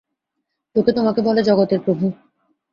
লোকে তোমাকে বলে জগতের প্রভু।